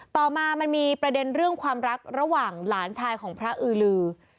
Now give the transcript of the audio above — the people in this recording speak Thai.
ต่อมามันมีประเด็นเรื่องความรักระหว่างหลานชายของพระอือลือ